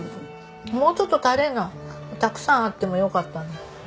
もうちょっとタレがたくさんあってもよかった。